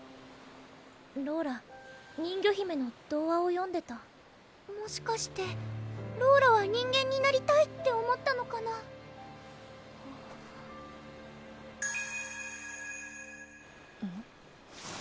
ローラ人魚姫の童話を読んでたもしかしてローラは人間になりたいって思ったのかなうん？